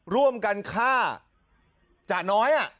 ร่วมกันฆ่าจ่าน้อย